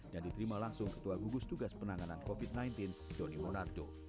dan diterima langsung ketua gugus tugas penanganan covid sembilan belas doni monardo